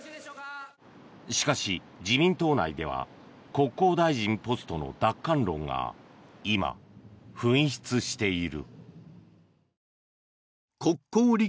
しかし、自民党内では国交大臣ポストの奪還論が今、噴出している。